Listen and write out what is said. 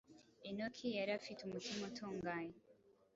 Enoki yari afite umutima utunganye,